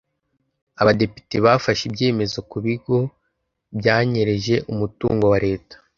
abadepide bafashe ibyemezo kubigo byanyereje umutungo wa leta